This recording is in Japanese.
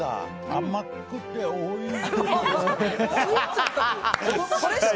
甘くておいしい。